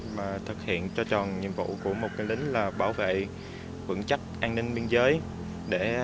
và thực hiện cho tròn nhiệm vụ của một người lính là bảo vệ vững chắc an ninh biên giới để cho bà con nhân dân vui tết đón xuân